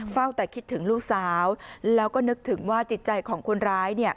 เฝ้าแต่คิดถึงลูกสาวแล้วก็นึกถึงว่าจิตใจของคนร้าย